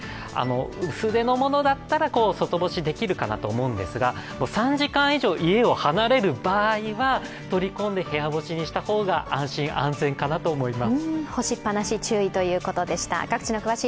薄手のものだったら外干しできるかなと思うんですが、３時間以上家を離れる場合は取り込んで部屋干しにした方が、安心・安全かなと思います。